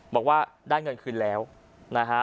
บอกว่าได้เงินคืนแล้วนะฮะ